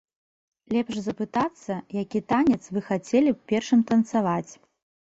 Лепш запытацца, які танец вы хацелі б першым танцаваць.